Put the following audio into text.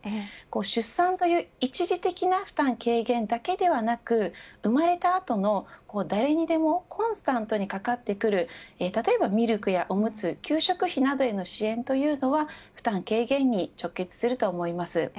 出産という、一時的な負担軽減だけではなく生まれた後の、誰にでもコンスタントにかかってくる例えばミルクやおむつ給食費などへの支援というのは、負担軽減に直結すると思います。